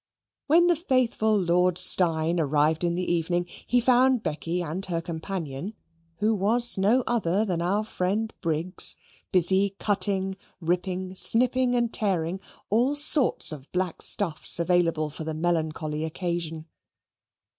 When the faithful Lord Steyne arrived in the evening, he found Becky and her companion, who was no other than our friend Briggs, busy cutting, ripping, snipping, and tearing all sorts of black stuffs available for the melancholy occasion.